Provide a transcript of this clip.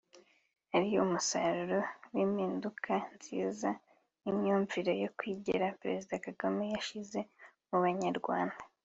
ari umusaruro w’impinduka nziza n’imyumvire yo kwigira Perezida Kagame yashyize mu banyarwanda